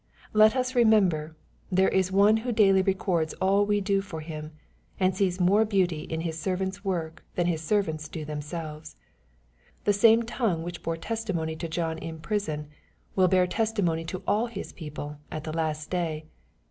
Let us remember, there is One who daily records all we do for Him, and sees more beauty in His servants' work than His servants do themselves. The same tongue which bore testimony to John in prison, will bear testimony to all his people at the last day.